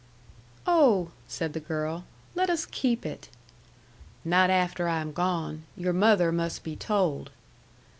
"Oh!" said the girl. "Let us keep it." "Not after I am gone. Your mother must be told."